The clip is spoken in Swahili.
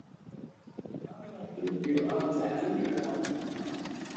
namna ilivyo anza tu majuma